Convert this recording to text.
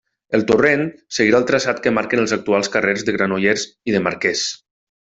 El torrent seguirà el traçat que marquen els actuals carrers de Granollers i de Marqués.